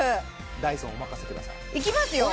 ダイソンお任せくださいいきますよ？